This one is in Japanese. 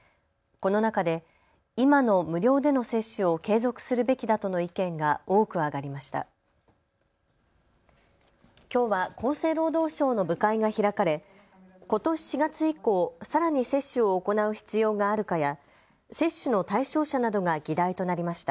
この中で今の無料での接種を継続するべきだとの意見が多くあがりました。